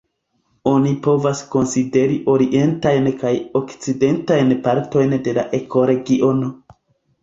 Oni povas konsideri orientajn kaj okcidentajn partojn de la ekoregiono.